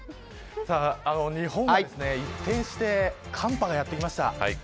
日本は一転して寒波がやってきました。